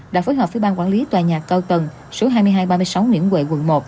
đã phối hợp với ban quản lý tòa nhà cao tầng số hai nghìn hai trăm ba mươi sáu nguyễn huệ quận một